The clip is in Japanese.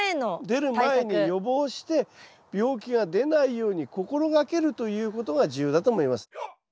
出る前に予防して病気が出ないように心がけるということが重要だと思います。